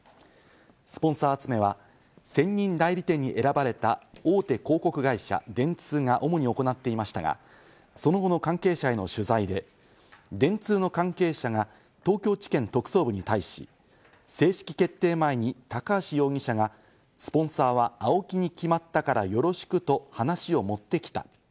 スポンサー集めは専任代理店に選ばれた大手広告会社・電通が主に行っていましたが、その後の関係者への取材で、電通の関係者が東京地検特捜部に対し正式決定前に高橋容疑者が、スポンサーはＡＯＫＩに決まったからよろしくと話を持ってきた。